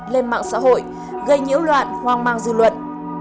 lên mạng xã hội gây nhiễu loạn hoang mang dư luận